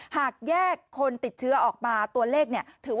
หากแยกคนติดเชื้อออกมาตัวเลขเนี่ย